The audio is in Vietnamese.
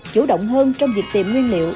chủ động hơn trong việc tìm nguyên liệu